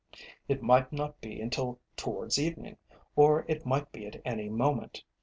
It might not be until towards evening, or it might be at any moment.